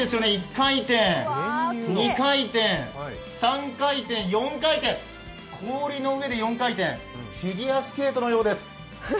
１回転、２回転、３回転氷の上で４回転、フィギュアスケートのようです。